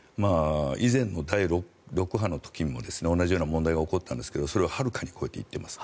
以前の第６波の時にも同じような問題が起こったんですがそれをはるかに超えていっています。